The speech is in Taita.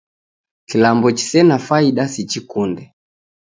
Kilambo chisena faida sichikunde